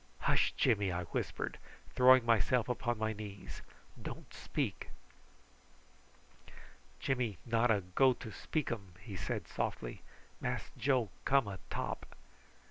"Hush, Jimmy!" I whispered, throwing myself upon my knees. "Don't speak." "Jimmy not a go to speak um," he said softly. "Mass Joe come a top."